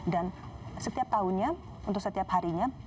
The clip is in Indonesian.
dan setiap tahunnya untuk setiap harinya